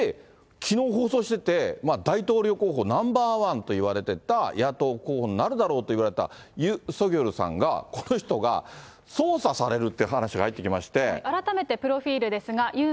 きのう放送していて、大統領候補ナンバー１といわれていた野党候補になるだろうといわれた、ユン・ソギョルさんが、この人が、捜査されるっていう話が入ってき改めてプロフィールですが、ユン・